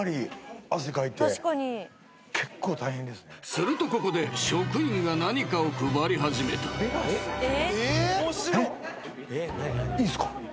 ［するとここで職員が何かを配り始めた］えっ？